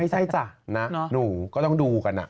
ไม่ใช่จ้ะหนูก็ต้องดูกัน